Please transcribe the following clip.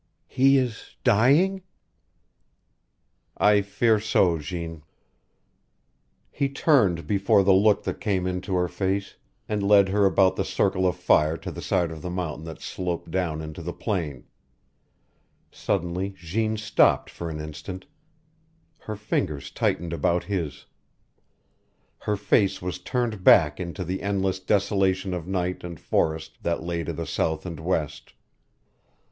"He is dying?" "I fear so, Jeanne." He turned before the look that came into her face, and led her about the circle of fire to the side of the mountain that sloped down into the plain. Suddenly Jeanne stopped for an instant. Her fingers tightened about his. Her face was turned back into the endless desolation of night and forest that lay to the south and west.